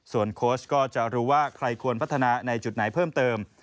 ส่วนโค้ชก็จะรู้ว่าใครควรพัฒนาในจุดไหนเพิ่มเติม